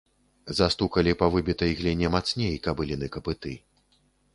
Застукалі па выбітай гліне мацней кабыліны капыты.